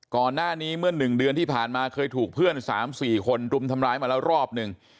ก่อนหน้านี้เมื่อ๑เดือนที่ผ่านมาเคยถูกเพื่อน๓๔คนรุมทำร้ายมาแล้วรอบหนึ่ง